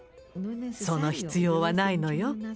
「その必要はないのよ。